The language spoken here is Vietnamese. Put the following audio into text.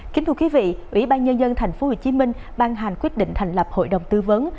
kính thưa quý vị ủy ban nhân dân tp hcm ban hành quyết định thành lập hội đồng tư vấn